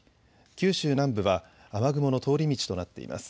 九州南部は雨雲の通り道となっています。